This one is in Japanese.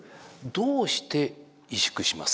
どうして萎縮しますか？